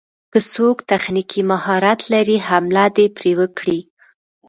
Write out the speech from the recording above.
که څوک تخنيکي مهارت لري حمله دې پرې وکړي.